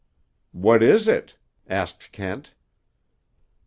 "What is it?" asked Kent.